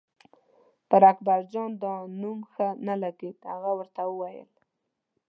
پر اکبرجان دا نوم ښه نه لګېده، هغه ورته وویل.